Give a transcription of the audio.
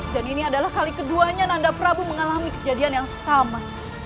dan ini adalah kali keduanya nanda prabu mengalami kejadian yang sama